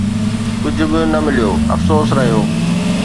ڪجهه به نه مليو، افسوس رهيو